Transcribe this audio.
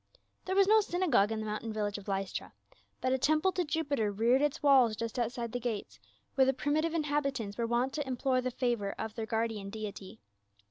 There was no synagogue in the mountain village of Lystra, but a temple to Jupiter reared its walls just outside the gates, where the primitive inhabitants were wont to implore the favor of their guardian deity.